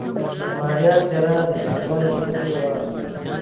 د ماريا څېره د شېرګل زړه کې وه.